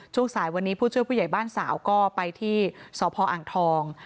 ช่วงสายวันนี้ผู้ช่วยผู้ใหญ่บ้านสาวก็ไปที่สพอ่างทอง